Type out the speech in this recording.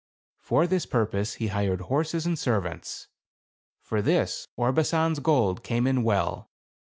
For this purpose he hired horses and servants ; for this Orbasan's gold came in well.